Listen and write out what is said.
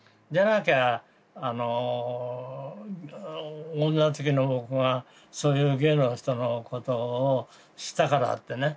なきゃあの女好きの僕がそういうゲイの人のことを知ったからってね